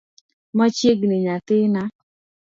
Machiegni nyathina.